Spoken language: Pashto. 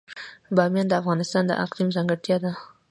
بامیان د افغانستان د اقلیم ځانګړتیا ده.